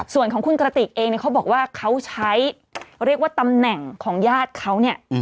ส่วนของคุณกระติกเองเนี่ยเขาบอกว่าเขาใช้เรียกว่าตำแหน่งของญาติเขาเนี่ย